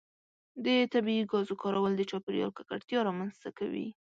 د طبیعي ګازو کارول د چاپیریال ککړتیا رامنځته کوي.